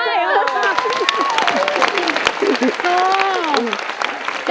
ร้องได้